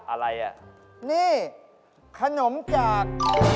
อะไรอ่ะนี่ขนมจาก